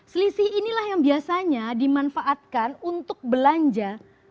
selisih inilah yang biasanya dimanfaatkan untuk belanja